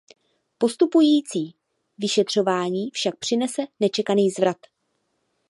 Postupující vyšetřování však přinese nečekaný zvrat.